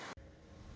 kepada dunia usaha